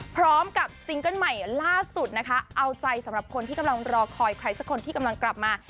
ซิงเกิ้ลใหม่ล่าสุดนะคะเอาใจสำหรับคนที่กำลังรอคอยใครสักคนที่กำลังกลับมา